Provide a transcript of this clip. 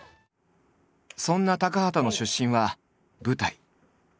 そんな高畑の出身は舞台。